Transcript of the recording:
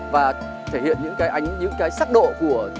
và thể hiện những cái ánh những cái sắc độ của